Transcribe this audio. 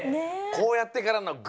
こうやってからのグリッ。